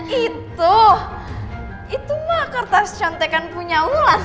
itu itu mah kertas contekan punya ulas